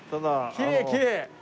きれいきれい。